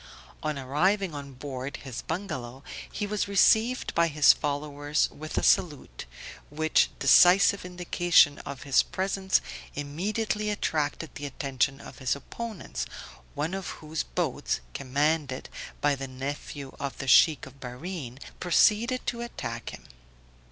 On arriving on board his bungalow, he was received by his followers with a salute, which decisive indication of his presence immediately attracted the attention of his opponents, one of whose boats, commanded by the nephew of the Sheikh of Bahrene, proceeded to attack him.